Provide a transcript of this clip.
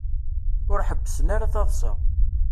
Ur ḥebbesen ara taḍsa.